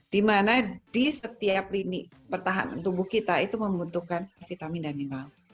dimana di setiap lini pertahanan tubuh kita itu membutuhkan vitamin dan mineral